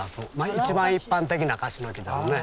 一番一般的なカシの木ですね。